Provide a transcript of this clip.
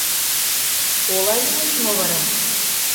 Ола лиеш мо вара?